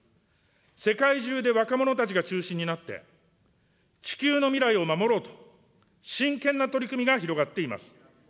世界中で若者たちが中心になって、地球の未来を守ろうと、真剣な取り組みが広がっています。